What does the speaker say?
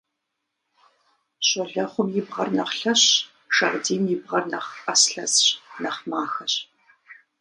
Щолэхъум и бгъэр нэхъ лъэщщ, шагъдийм и бгъэр нэхъ Ӏэслъэсщ, нэхъ махэщ.